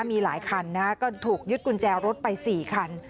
มีหลายคันนะก็ถูกยึดกุญแจรถไป๔คัน